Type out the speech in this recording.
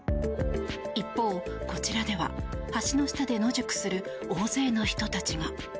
一方、こちらでは橋の下で野宿する大勢の人たちが。